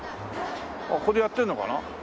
ここでやってるのかな？